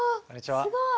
すごい。